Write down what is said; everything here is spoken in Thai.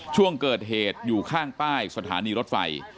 ช่วงเกิดเหตุอยู่ข้างป้ายสถานีรถไฟ